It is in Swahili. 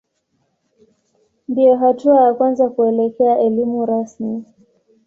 Ndiyo hatua ya kwanza kuelekea elimu rasmi.